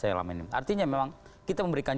saya lama ini artinya memang kita memberikan